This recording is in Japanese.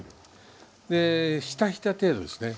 ひたひた程度ですね。